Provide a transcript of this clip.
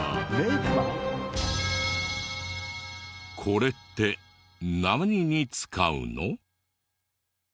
これって何に使うの？